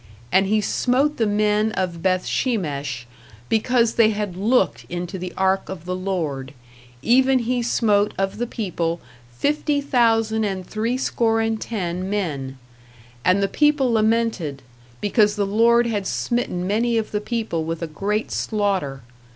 And he smote the men of Beth shemesh, because they had looked into the ark of the Lord, even he smote of the people fifty thousand and three score and ten men; and the people lamented, because the Lord had smitten many of the people with a great slaughter.